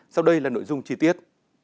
sau đây là nội dung chi tiết